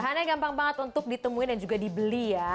karena gampang banget untuk ditemuin dan juga dibeli ya